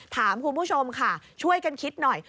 ถามคุณผู้ชมค่ะช่วยกันคิดหน่อย